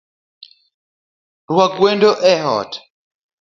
Rwak wendo e ot